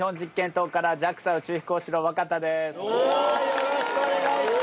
よろしくお願いします